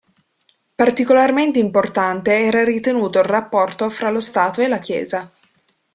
Particolarmente importante era ritenuto il rapporto fra lo Stato e la Chiesa.